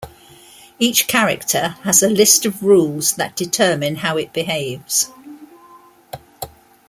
Each character has a list of rules that determine how it behaves.